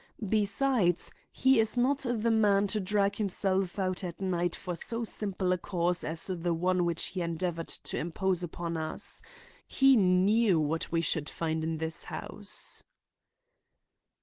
Besides, he is not the man to drag himself out at night for so simple a cause as the one with which he endeavored to impose upon us. He knew what we should find in this house."